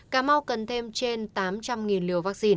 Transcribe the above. cà mau cần thêm trên tám trăm linh liều